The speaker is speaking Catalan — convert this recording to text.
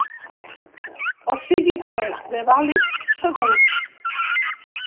O sigui que, de vàlid, segur.